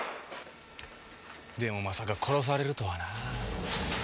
でもまさか殺されるとはなぁ。